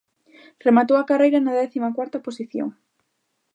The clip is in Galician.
Rematou a carreira na décimo cuarta posición.